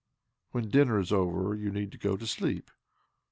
When dinner is over you need to gO; to sleep."